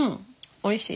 おいしい。